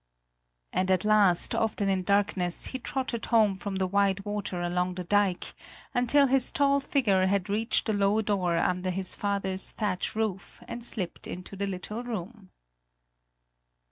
And at last, often in darkness, he trotted home from the wide water along the dike, until his tall figure had reached the low door under his father's thatch roof and slipped into the little room.